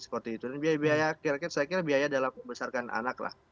saya kira biaya dalam membesarkan anak